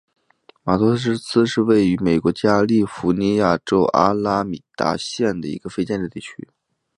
马托斯是位于美国加利福尼亚州阿拉米达县的一个非建制地区。